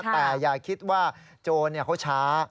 แต่อย่าคิดว่าโจรเขาช้า